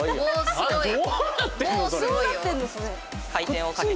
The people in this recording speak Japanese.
すごいな。